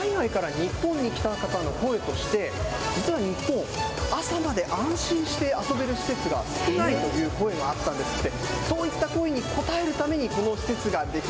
といいますのも海外から日本に来た方の思いとして実は日本朝まで安心して遊べる施設が少ないという声があったんですって。